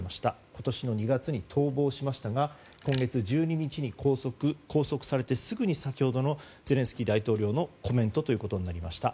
今年の２月に逃亡しましたが今月１２日に拘束されてすぐに先ほどのゼレンスキー大統領のコメントということになりました。